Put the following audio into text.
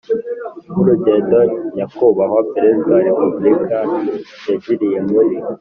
nk urugendo Nyakubahwa Perezida wa Repubulika yagiriye muri